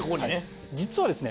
実はですね